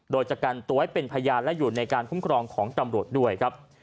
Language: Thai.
โดยจะกันตัวให้เป็นพยานและอยู่ในการคุ้มครองของตำรวจด้วยครับ